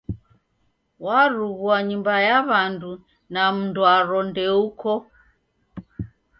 Warughua nyumba ya w'andu na mndwaro ndeuko.